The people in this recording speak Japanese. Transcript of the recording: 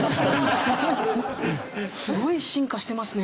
すごい進化してますね。